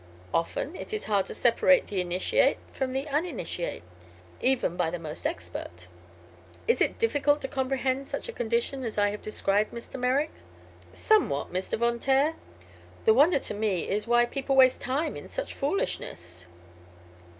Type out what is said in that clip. Often it is hard to separate the initiate from the uninitiate, even by those most expert. Is it difficult to comprehend such a condition as I have described, Mr. Merrick?" "Somewhat, Mr. Von Taer. The wonder to me is why people waste time in such foolishness."